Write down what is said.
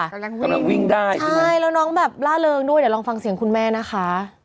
ตอนนั้นเขากำลังวิ่งได้ใช่แล้วน้องแบบล่าเริงด้วยเดี๋ยวลองฟังเสียงคุณแม่นะคะ